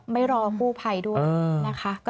ไม่รอกู้ภัยด้วยนะคะ